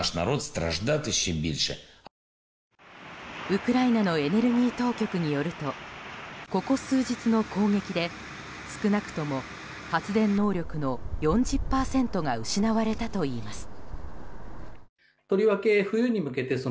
ウクライナのエネルギー当局によるとここ数日の攻撃で、少なくとも発電能力の４０％が失われたといいます。